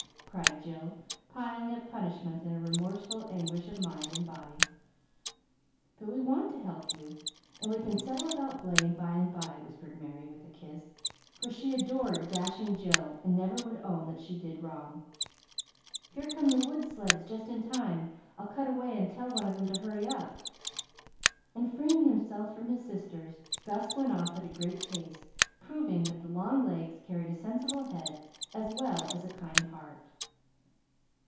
cried Jill, piling up punishments in her remorseful anguish of mind and body. "But we want to help you, and we can settle about blame by and by," whispered Merry with a kiss; for she adored dashing Jill, and never would own that she did wrong. "Here come the wood sleds just in time. I'll cut away and tell one of them to hurry up." And, freeing himself from his sisters, Gus went off at a great pace, proving that the long legs carried a sensible head as well as a kind heart.